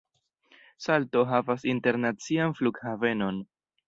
Salto havas internacian flughavenon.